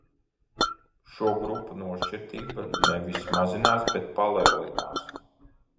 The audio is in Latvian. Šo grupu nošķirtība nevis mazinās, bet palielinās.